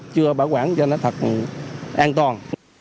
chưa bảo quản cho nó thật an toàn